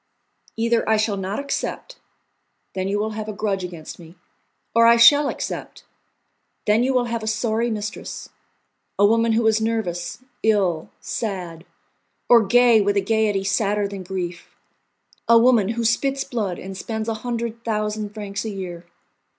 "Either I shall not accept: then you will have a grudge against me; or I shall accept: then you will have a sorry mistress; a woman who is nervous, ill, sad, or gay with a gaiety sadder than grief, a woman who spits blood and spends a hundred thousand francs a year.